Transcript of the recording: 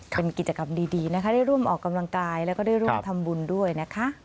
เป็นกิจกรรมดีนะคะได้ร่วมออกกำลังกายแล้วก็ได้ร่วมทำบุญด้วยนะคะ